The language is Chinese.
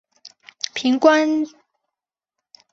凭借关心下层群众的利益和美德而受到爱戴。